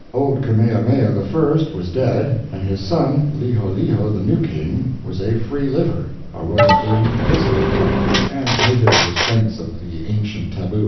Old Kamehameha I was dead, and his son, Liholiho, the new King, was a free liver, a roystering, dissolute fellow, and hated the restraints of the ancient tabu.